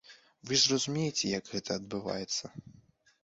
Вы ж разумееце, як гэта адбываецца.